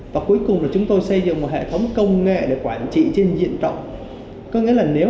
và cuối cùng là chúng tôi xây dựng một hệ thống công nghệ để quản trị trên diện trọng